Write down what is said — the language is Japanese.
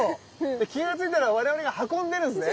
じゃ気が付いたら我々が運んでるんですね？